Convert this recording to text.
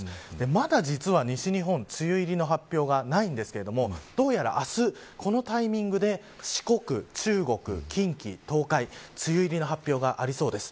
まだ、実は西日本梅雨入りの発表がないんですけどどうやら明日、このタイミングで四国、中国、近畿、東海梅雨入りの発表がありそうです。